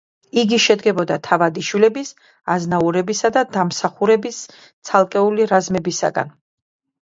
იგი შედგებოდა თავადიშვილების, აზნაურებისა დამსახურების ცალკეული რაზმებისაგან.